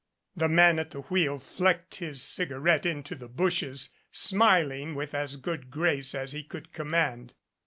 The man at the wheel flecked his cigarette into the bushes, smiling with as good grace as he could command.